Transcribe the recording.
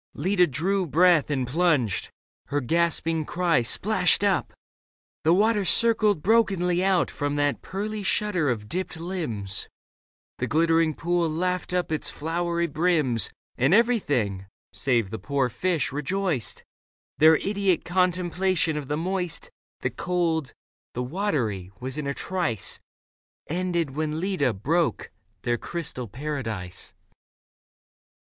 Leda drew breath and plunged ; her gasping cry Splashed up ; the water circled brokenly Out from that pearly shudder of dipped limbs ; The glittering pool laughed up its flowery brims, And everything, save the poor fish, rejoiced : Their idiot contemplation of the Moist, The Cold, the Watery, was in a trice Ended when Leda broke their crystal paradise.